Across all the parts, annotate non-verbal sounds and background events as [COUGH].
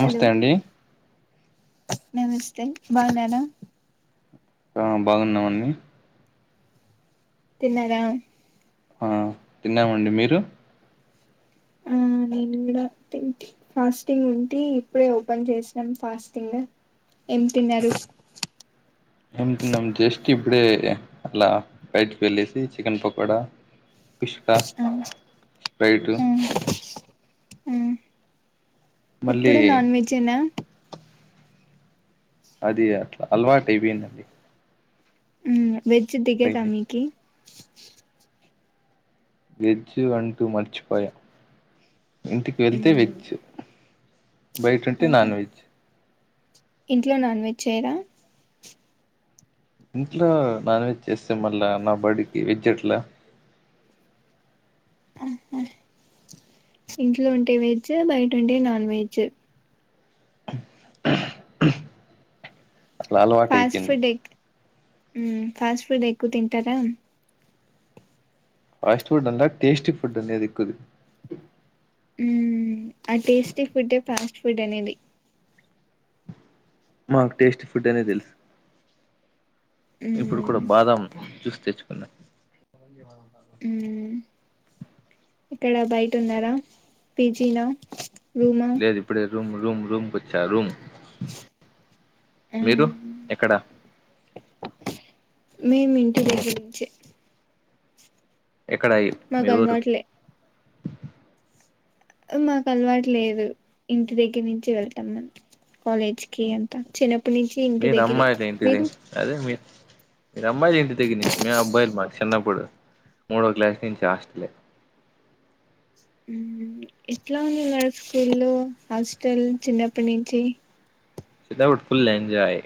Hello అండి నమస్తే బాగున్నర ఆ బాగున్నామండి తిన్నారా ఆ తిన్నామండి మీరు ఆ నేను కూడా తి ఫాస్టింగ్ ఉంటి ఇప్పుడే ఓపెన్ చేసినాం ఫాస్టింగ్ ఏం తిన్నారు ఎం తిన్ జేస్ట్ ఇప్పుడే అలా బయటికి వెల్లేసి చికెన్ పకోడా కుష్కా ఆ రైటు ఆ ఆ మళ్ళీ ఎప్పుడు నాన్ వెెజెనా అది అట్లా అలవాటు అయిపోయిందండి ఉ వెజ్ దిగద డైలీ మీకి వెజ్ అంటు మరిచిపోయ ఇంటికి వెళ్తే మ్మ్ వెజ్ బయట ఉంటే ఆహా నాన్ వెజ్ ఇంట్లో నాన్ వెజ్ చేయరా ఇంట్లో నాన్ వెజ్ చేస్తే మళ్ళా నా బడికి వెజ్ ఎట్లా ఇంట్లో ఉంటే వెజ్ బయట ఉంటే నాన్ వెజ్ అలా అలవాటు అయిపోయింది ఉ ఫాస్ట్ ఫుడ్ ఎక్కువ తింటారా ఫాస్ట్ ఫుడ్ అంత టెస్ట్ ఫుడ్ అనేదిక్కుదు ఉ ఆ టేస్టీ ఫుడ్ ఫాస్ట్ ఫుడ్ అనేది మాకు టేస్టీ ఫుడ్ అనే తెలుసు ఇప్పుడు కూడా మ్మ్ బాదం జ్యూస్ తెచ్చు [INAUDIBLE] మ్మ్ ఇక్కడ బయట ఉన్నారా పీజీలో రూమా లేదు ఇప్పుడే రూమ్ రూమ్ రుమ్ వచ్చ రూమ్ మీరు ఎక్కడ మేము ఇంటి నుంచే ఏక్కడ మీ మాకు ఊరు అలవాట్లే మాకు అలవాటు లేదు ఇంటి దగ్గర నుంచి వెళ్తాం మేము కాలేజ్ కి అంతా చిన్న మీరు అమ్మాయిలు ఇంటిది అదే మీ మీరు అమ్మాయిలు ఇంటి దగ్గర నుంచి మేము అబ్బాయిలు మార్చ చిన్నప్పుడు మూడో క్లాస్ నుంచి హాస్టలే ఎట్లా ఉంది లైక్ స్కూలు హాస్టల్ చిన్నప్పటి నుంచి చిన్నప్పుడు ఫుల్ ఎంజాయ్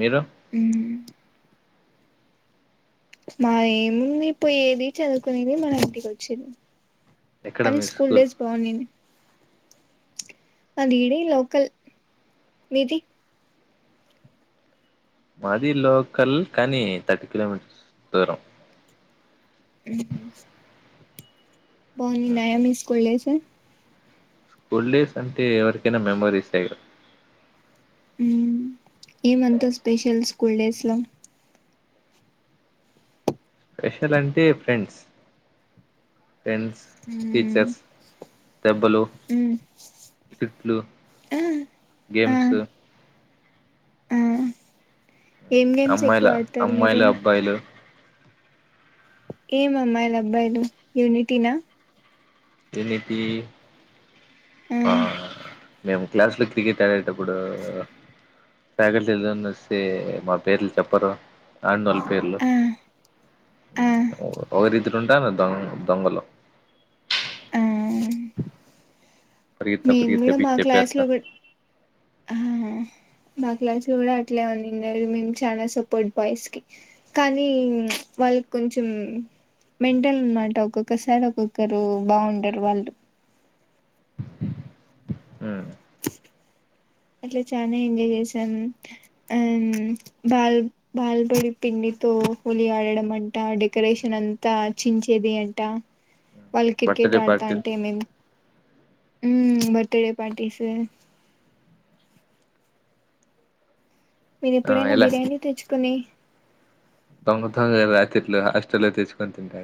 మీరు ఉ మాది ఏముంది పోయేది చదువుకునేది మళ్ళా ఇంటికి వచ్చేది ఎక్కడ కానీ మీరు స్కూల్ డేస్ బాగును అది ఇడే లోకల్ విది మాది లోకల్ కానీ థర్ కిలోమీటర్స్ దూరం హూహు బాంద్నాయా మీస్కలేఫ్ మ్ స్కూల్ డేస్ అంటే ఎవర్కైనా మెమోరీసే గ ఉమ ఏమంత స్పెషల్స్ స్కూల్ డేస్లో స్పెషలంటే ఫ్రెండ్స్ ఫెండ్స్, ఉమ్ టీచర్స్ దెబ్బలు, ఉమ్, తిట్లు ఆ ఆ గేమ్సు ఆ ఏం గేమ్స్ ఎక్కువ అమ్మాయిలా ఆడతారు మీరు అమ్మాయిలబ్బాయిలు ఏ అమ్మాయిలబ్బాయిలు యూనిటీ న ఏటి ఆ మేమ్ క్లాస్లో క్రికెట్ ఆడేటప్పుడూ ఫ్యాకల్టీలో ఒస్తే మా పేర్లు చెప్పరు ఆడ్నొళ్ పేర్లు ఆ ఆ ఒకరిద్రు ఉంటారు దొం దొంగల పరిగెత్తా మేమ్ పరిగెత్తా గుడా మా పిచ్చి క్లాస్లో చెప్పేస్తారు గుడ్ హా మాకులా గుడ అట్లే ఉందిండదు మేమ్ చాలా సపోర్ట్ బాయ్స్కి కానీ వాళ్ళక్ కొంచం మెంటల్ అన్మాట ఒక్కొక్కసారి ఒక్కొక్కరు బాగుండరు వాళ్ళు అట్లా చాన ఎంజాయ్ చేసాం అం బాల్ బల్పొడి పిండితో హోలీ ఆడడం అంట, డెకరేషన్ అంతా చించేది అంట వాళ్ క్రికెట్ బర్త్డే పార్టీలు ఆడతాంటే మేమ్ ఉమ బర్త్ డే పార్టీస్ ఆ మీరేప్పుడైనా బిర్యానీ తెచ్చుకుని దొంగతనం రాత్రిఇట్లా హాస్టల్లో తెచ్చుకొని తింటా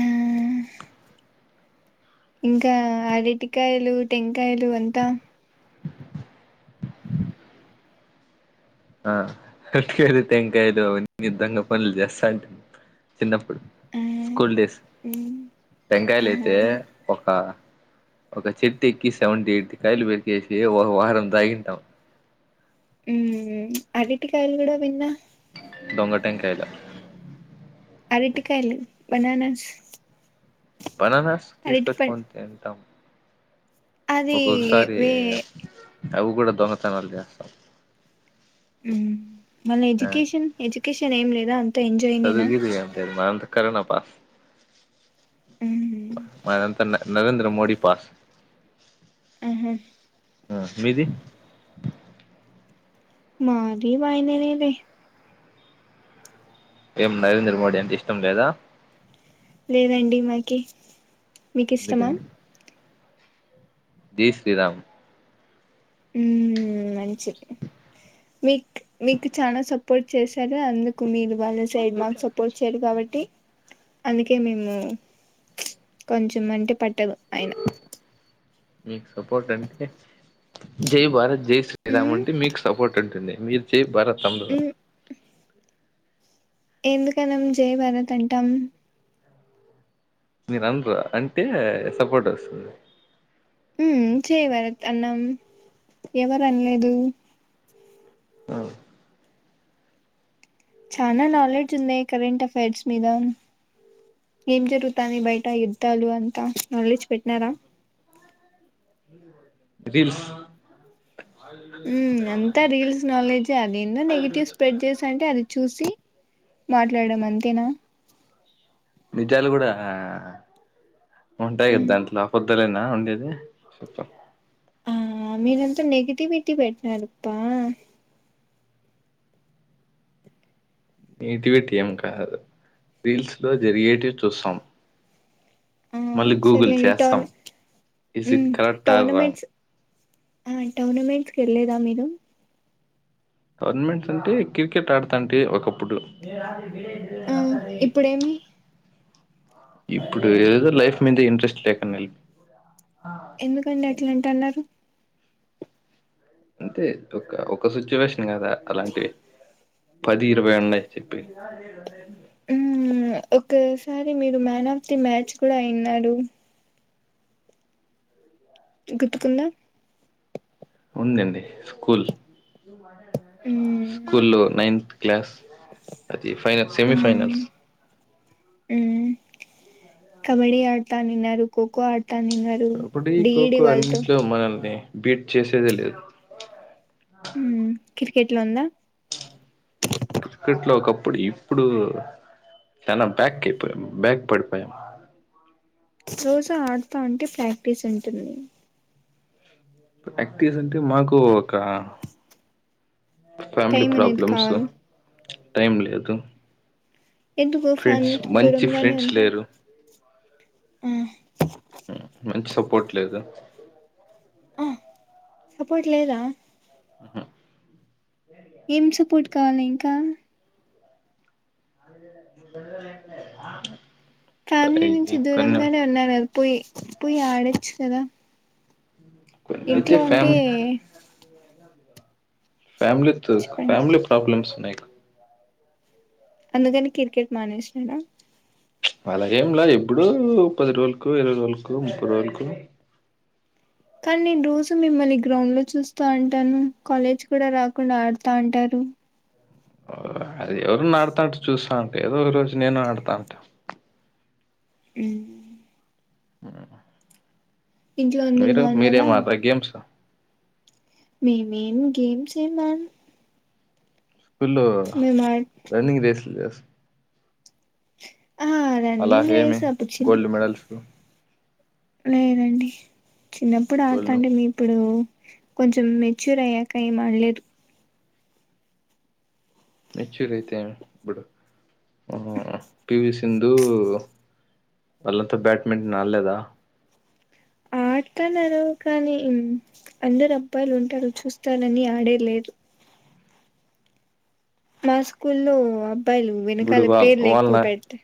ఆహ్ ఇంకా ఆరెటికాయలు, టెంకాయలు అంతా అ టెంకాయలు అవ్న్ని దొంగ పనులు జేస్తా అంటే చిన్నప్ ఆ స్కూల్ డేస్ మ్మ్ ఆహా టెంకాయలైతే ఒక ఒక చెట్టు ఎక్కి సెవెంటీ ఎయిట్ కాయలు పెరికేసి ఒకఓ వారం తాగింటాం ఉమ్ అరటికాయలు గుడా విన్న దొంగ టెంకాయ్లు అరటికాయలు బనానాస్ బననస్ తీస్కోచ్చుకొనీ తింటాం అదీ ఒక్కొక్కసారి వే అవి కూడా దొంగతనాలు జేస్తాం ఉ మళ్ళ ఎడ్యుకేషన్ ఎడ్యుకేషన్ ఏం లేదు ద చదువుకిదు ఏం లేదు మా అంతే కరోనా పా మ్ మదంత నరేంద్ర మోడీ పాస్ ఆహా మీది మాది వైనే లేదే ఏం నరేంద్ర మోడీ అంటే ఇష్టం లేదా లేదండి మాకి మీకు ఇష్టమా ఎందుకండి జై శ్రీరామ్ మ్మ్ మంచిది మీకు మీకు చానా సపోర్ట్ చేశాగా అందుకు మీరు వాళ్ళ సైడ్ మాక్ సపోర్ట్ చేయరు కాబట్టి అందుకే మేము కొంచెం అంటే పట్టదు ఆయన మీకు సపోర్ట్ అంటే జై భారత్ జై శ్రీరామ్ మ్మ్ అంటే మీకు సపోర్ట్ ఉంటుంది మీరు జై భారత్ అనరుగా మ్మ్ ఎందుకనం జై భరత్ అంటాం మీరు అన్రు అంటే సపోర్ట్ వస్తుంది హ్మ్ జై భరత్ అన్నాం ఎవరు అనలేదు ఆ చానా నాలెడ్జ్ ఉందే కరెంట్ అఫైర్స్ మీద ఏం జరుగుతాంది బయట యుద్ధాలు అంతా నాలెడ్జ్ పెట్టినారా రీల్స్ హ్మ్ అంతా రీల్స్ నాలెడ్జ్ ఏ అది ఏందో నెగిటివ్ స్ప్రెడ్ చేస్తాంటే అది చూసి మాట్లాడం అంతేనా నిజాలు కూడా ఉంటయి కదా దాంట్లో ఒక్కరేనా ఉండేది ఆ మీరంతా నెగిటివిటీ పెట్టనారుప్పా నెగిటివిటీ ఏం కాదు రీల్స్ లో జరిగేటివి చూస్తాం ఆ మళ్ళీ గూగుల్ సర్లేండి చేస్తాం టోర్న is it um correct or wrong tournaments ఆ టోర్నమెంట్స్కి వెళ్ళలేదా మీరు టోర్నమెంట్స్ అంటే క్రికెట్ ఆడతాంటి ఒకప్పుడు హు ఇప్పుడేమి ఇప్పుడు ఏదేదో లైఫ్ మీద ఇంట్రెస్ట్ లేకుండ ఎల్ ఎందుకండి అట్లా అన్ టన్నారు అంతే ఒక ఒక సిచ్యువేషన్ కదా అలాంటివి పది ఇరవై ఉన్నాయి చెప్పేవి మ్మ్ ఒక్కోసారి మీరు మ్యాన్ ఆఫ్ ది మ్యాచ్ కూడా అయిన్నారు గుర్తుకుందా ఉండింది స్కూల్ ఉమ్ స్కూలో నైన్త్ క్లాస్ అది ఫైనల్ సెమీ ఉమ్ ఫైనల్స్ ఉమ్ కబడ్డి అడతవున్నినారు కోకో ఆడ కబడ్డీ కోకో అన్నిట్లో మనల్ని బీట్ చేసేదే లేదు మ్మ్ క్రికెట్ లో ఉందా క్రికెట్ లో ఒకప్పుడు ఇప్పుడు చానా బ్యాక్కిఅయిపోయాం బ్యాక్ పడిపోయాం రోజూ ఆడతా ఉంటే ప్రాక్టీస్ ఉంటుంది ప్రాక్టీస్ అంటే మాకు ఒక ఫ్యామిలీ టైం అనేది ప్రాబ్లెమ్స్ కావాలి టైమ్ లేదు ఎందుకూ ఫ్రెండ్స్ ఫ్యామలీతో మంచి దురమగానే ఫ్రెండ్స్ ఉన్నా లేరు ఆ మంచి సపోర్ట్ లేదు ఆ సపోర్ట్ లేదా ఆహా ఏం సప్ పోర్ట్ కావాలింకా ఫ్యామిలీ నుంచి అయి కొన్ని దూరంగానే ఉన్నారు గద్ పోయి పోయి అడచ్చు కదా అయితే ఇంట్లో ఉంటే ఫ్యామ్ ఫ్యాలీతో చెప్పండి ఫ్యామిలీ ప్రాబ్లెమ్స్ ఉన్నాకా అందుకని క్రికెట్ మానేసిరా అలాగేంలా ఎప్పుడు పది రోజులకు ఇరవై రోజులకు ముప్పై రోజులకు కానీ నేను రోజు మిమ్మల్ని గ్రౌండ్ లో చూస్తా అంటాను కాలేజ్ కూడా రాకుండా ఆడుతా అంటారు ఆ అది ఎవరన్న ఆడుతంటే చూస్తా ఏదో రోజు నేను ఆడతాంట ఉమ్ ఉమ్ ఇంట్లో అందరు మీరు మీరేం బాగున్నారా మీరేం అడ్ర గేమ్స్ మేమేం గేమ్స్ ఏమ్ ఆడాన్ పిలు ఆ రన్నింగ్ రేసులు చేస్త ఆ అలా రన్నింగ్ హేమి రేస్ అప్పుడు చిన్న గోల్డ్ మెడల్స్ లేదండి చిన్నప్పుడు గోల్డ్ ఆడుతాంటిమి ఇప్పుడు కొంచెం మెచ్యూర్ అయ్యాక ఏం ఆడలేదు మెచ్యూర్ అయితే ఏం ఇప్పుడు పివి సింధు వాళ్ళంతా బ్యాట్మింటన్ ఆల్లేదా ఆడతన్నారు కానీ అందరు అబ్బాయిలు ఉంటారు చూస్తారని ఆడేలేదు మా స్కూల్ లో అబ్బాయిలు ఇప్పుడు వెనకాల వాళ్ళ పేర్లు ఎక్కువ పెడితే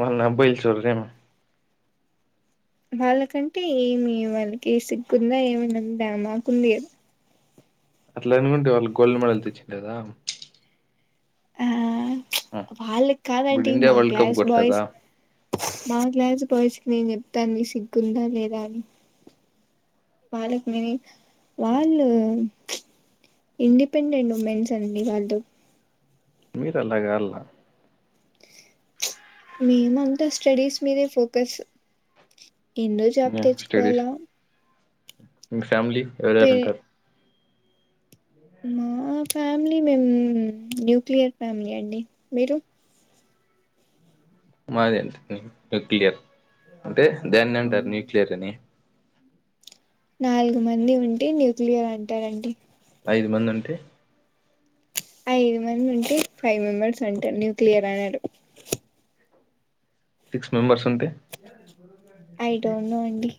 వాళ్ళ అబ్బాయిల సర్ నేమ్ వాళ్ళకంటే ఏమి వాళ్ళకి సిగ్గుందా ఏమైనుందా మాకుంది కదా అట్లా అనుకుంటే వాళ్ళకి గోల్డ్ మెడల్ తెచ్చిండేదా ఆ ఆ, వాళ్ళకి ఇప్పుడు కాదండి ఇండియా మా వరల్డ్ కప్ క్లాస్ కొట్టలేదా బాయ్స్ మా క్లాస్ బాయ్స్ కి నేను చెప్తాండేది. సిగ్గుందా లేదా అని వాళ్ళ మీనీ వాళ్ళు ఇండిపెండెంట్ ఉమెన్స్ అండి వాళ్ళు మీరలా కాల్న మేమంతా స్టడీస్ మీదే ఫోకస్ ఎన్నో జాబ్ తెచ్చుకోవాలా మ్మ్ ఫ్యామిలీ ఎవరెవరు ఉంటారు మ్మ్ ఫ్యామిలీ మేము న్యూక్లియర్ ఫ్యామిలీ అండి మీరు మాదంతే న్యూక్లియర్ అంటే దాన్ని అంటారు న్యూక్లియర్ అని నాలుగు మంది ఉంటే న్యూక్లియర్ అంటారండి ఐదు మంది ఉంటే ఐదు మంది ఉంటే ఫైవ్ మెంబర్స్ అంటారు న్యూక్లియర్ అనరు సిక్స్ మెంబర్స్ ఉంటే ఐ డోంట్ నో అండి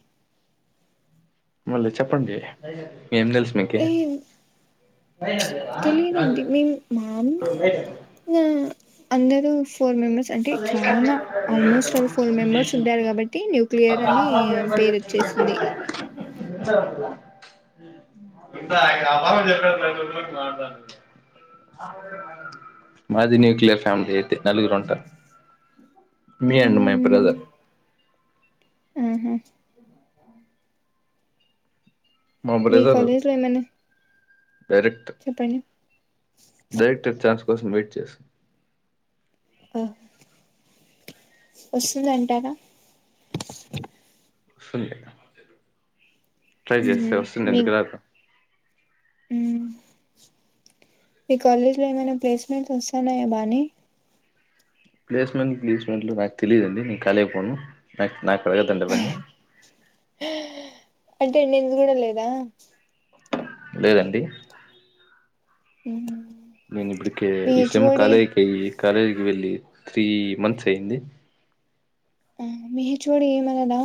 మళ్ళీ చెప్పండి ఏం తెల్స్ మీకి ఏ తెలియదండి మేము మాములుగా నా అందరు ఫోర్ మెంబర్స్ అంటే చాలా ఆల్మోస్ట్ ఫోర్ మెంబర్స్ ఉంటారు కాబట్టి న్యూక్లియర్ అని పేరు వచ్చేసింది మాది న్యూక్లియర్ ఫ్యామిలీ నలుగురు ఉంటారు మీ అండ్ మై మ్మ్ బ్రదర్ మ్మ్ హ్మ్ మా మీ బ్రదర్ కాలేజ్ లో ఏమన్నా డైరెక్ట్ డైరక్టర్ చాస్ కోసం వెయిట్ చేస్తా ఆ వస్తుందంటారా సన్లే ట్రై చేస్తే వస్తుంది ఎందుకు రాదు ఉమ్ మీ కాలేజ్ లో ఏమైనా ప్లేస్మెంట్స్ వస్స న్నాయా బానే ప్లేస్మెంట్ గీస్మెంట్లు నాకు తెలీదఅన్డి నేకు కాలేజ్ కి పోను నాక్ నాకు అడగదండి అవన్నీ అటెండెన్స్ కూడా లేదా లేదండి ఉ నేను ఇ బుడికే ఈసెమ్ కాలేజ్ కెయి కాలేజీకి వెళ్ళి త్రీ మంత్స్ అయింది ఆ మీ హెచ్ ఓడి ఏమనడా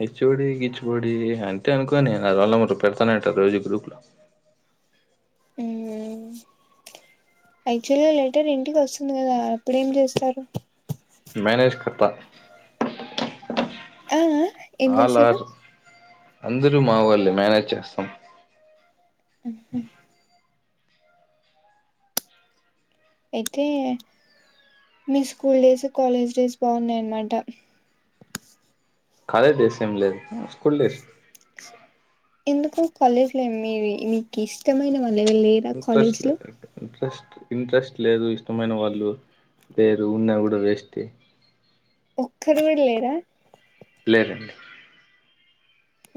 హెచ్ ఓడి గిచ్ ఓడి అంతే అనుకోని అదలవాటు పెడతానేఉంటారు రోజు గ్రూప్ లో మ్మ్ యాక్చువల్గా లెటర్ ఇంటికి వస్సుంది కదా అప్పుడేం చేస్తారు మెనేజ్ కట్ట ఆ ఆ ఏం చేసరు అందరూ మా ఓ ళ్లే మేనేజ్ చేస్తాం అా అయితే మీ స్కూల్ డేస్ కాలేజ్ డేస్ బాగున్నాయన్నమాట కాలేజ్ డేస్ ఏం లేదు స్కూల్ డే స్ ఎందుకు కాలేజ్ లో మీ మీకు ఇష్టమైన లెవర్ లేరా ఇంట్రెస్ట్ కాలేజ్ లో లేదు ఇంట్రెస్ట్ ఇంట్రెస్ట్ లేదు ఇష్టమైన వాళ్ళు లేరు ఉన్న కూడా వేస్టె ఒక్కరు కూడా లేరా లే రండి